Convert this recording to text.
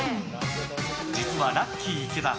実はラッキィ池田